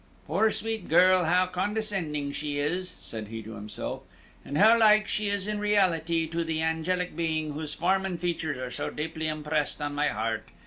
"Poor sweet girl! how condescending she is," said he to himself, "and how like she is in reality to the angelic being whose form and features are so deeply impressed on my heart!